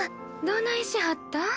どないしはったん？